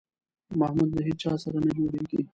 محمود له هېچا سره نه جوړېږي.